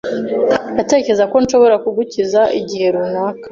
Ndatekereza ko nshobora kugukiza igihe runaka.